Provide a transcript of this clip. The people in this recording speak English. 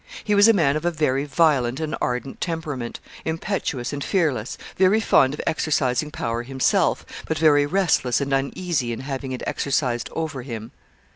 He was a man of a very violent and ardent temperament, impetuous and fearless, very fond of exercising power himself, but very restless and uneasy in having it exercised over him.